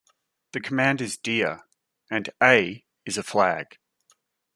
The command is dir, and "A" is a flag.